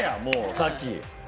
さっき。